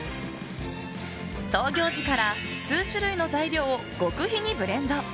創業時から数種類の材料を極秘にブレンド。